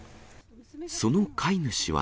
その飼い主は。